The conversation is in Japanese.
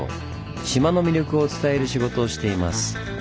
島の魅力を伝える仕事をしています。